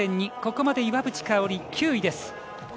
ここまで岩渕香里、９位です。